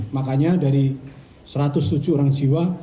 makanya dari satu ratus tujuh orang jiwa